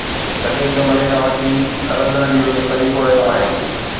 قديم زماني کان وٺي قلندرن جو اهو طريقو رهيو آهي